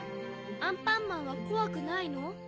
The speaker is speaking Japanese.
アンパンマンはこわくないの？